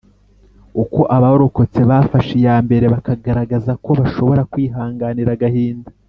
uko abarokotse bafashe iya mbere bakagaragaza ko bashobora kwihanganira agahinda